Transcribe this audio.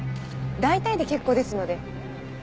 大体で結構ですので。